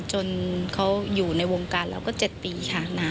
จนเขาอยู่ในวงการเราก็๗ปีค่ะ